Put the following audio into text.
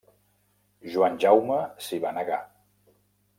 Joan Jaume s'hi va negar.